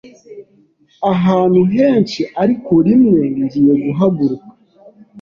ahantu henshi ariko rimwe ngiye guhaguruka